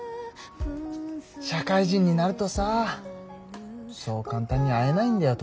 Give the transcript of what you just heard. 社会人になるとさそう簡単に会えないんだよ